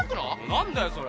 何だよそれ。